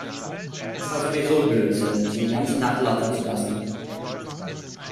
Es war sowieso Blödsinn, sie die ganze Nacht laufen zu lassen.